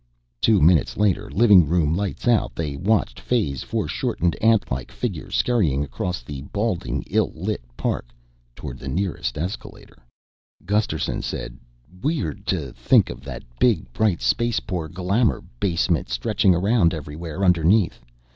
Two minutes later, living room lights out, they watched Fay's foreshortened antlike figure scurrying across the balding ill lit park toward the nearest escalator. Gusterson said, "Weird to think of that big bright space poor glamor basement stretching around everywhere underneath.